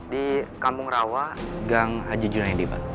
di kampung rawa gang haji juna yediban